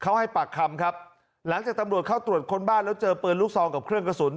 เขาให้ปากคำครับหลังจากตำรวจเข้าตรวจค้นบ้านแล้วเจอปืนลูกซองกับเครื่องกระสุน